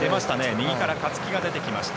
右から勝木が出てきました。